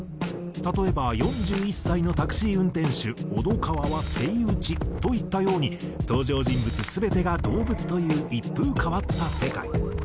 例えば４１歳のタクシー運転手小戸川はセイウチといったように登場人物全てが動物という一風変わった世界。